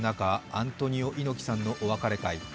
アントニオ猪木さんのお別れ会。